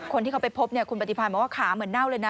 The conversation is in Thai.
คนที่เขาไปพบคุณปฏิพันธ์บอกว่าขาเหมือนเน่าเลยนะ